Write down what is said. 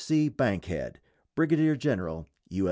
C. BANKHEAD, _Brigadier General U.